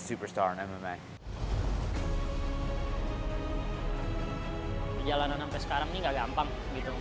jika dia berkembang seperti dia melakukannya di ruang jika dia berkembang di kudang